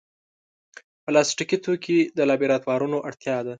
پلاستيکي توکي د لابراتوارونو اړتیا ده.